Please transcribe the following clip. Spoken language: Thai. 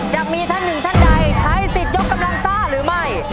จะมีท่านหนึ่งท่านใดใช้สิทธิ์ยกกำลังซ่าหรือไม่